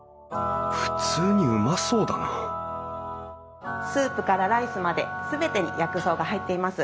普通にうまそうだなスープからライスまで全てに薬草が入っています。